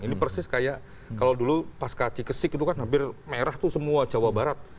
ini persis kayak kalau dulu pas kaki kesik itu kan hampir merah tuh semua jawa barat